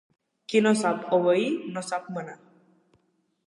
Qui no sap obeir no sap manar.